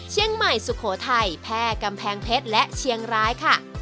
เชียงใหม่สุโขทัยแพร่กำแพงเพชรและเชียงรายค่ะ